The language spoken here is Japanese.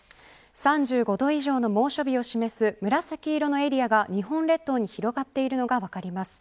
３５度以上の猛暑日を示す紫色のエリアが日本列島に広がっているのが分かります。